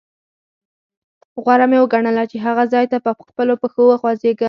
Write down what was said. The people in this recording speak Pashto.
غوره مې وګڼله چې هغه ځاې ته په خپلو پښو وخوځېږم.